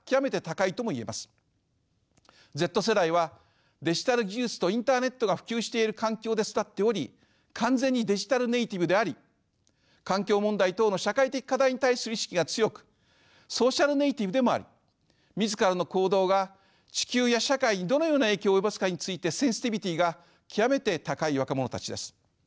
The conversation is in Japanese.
Ｚ世代はデジタル技術とインターネットが普及している環境で育っており完全にデジタルネイティブであり環境問題等の社会的課題に対する意識が強くソーシャルネイティブでもあり自らの行動が地球や社会にどのような影響を及ぼすかについてセンシティビティーが極めて高い若者たちです。